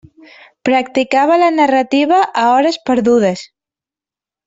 Practicava la narrativa a hores perdudes.